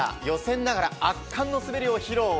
予選ながら圧巻の滑りを披露。